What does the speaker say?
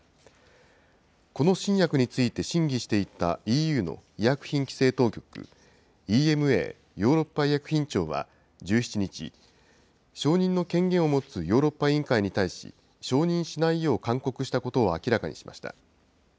この新薬について審議していたＥＵの医薬品規制当局、ＥＭＡ・ヨーロッパ医薬品庁は１７日、承認の権限を持つヨーロッパ委員会に対し、承認しないよう勧告したことを明らかにしました。